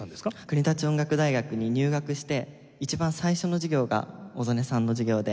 国立音楽大学に入学して一番最初の授業が小曽根さんの授業で。